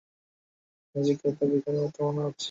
নিজেকে তার ভিখিরির মতো মনে হচ্ছে।